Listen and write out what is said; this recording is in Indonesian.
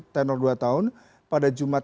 tenor dua tahun pada jumat